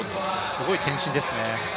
すごい転身ですね。